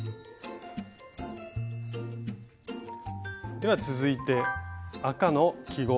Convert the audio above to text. では続いて赤の記号